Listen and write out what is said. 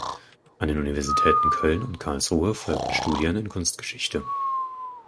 An den Universitäten Köln und Karlsruhe folgten Studien in Kunstgeschichte.